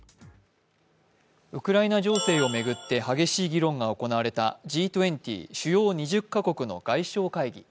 ウクライナ情勢を巡って激しい議論が行われたＧ２０＝主要２０か国の外相会議。